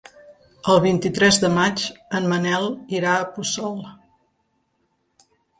El vint-i-tres de maig en Manel irà a Puçol.